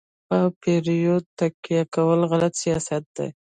په پردیو تکیه کول غلط سیاست دی.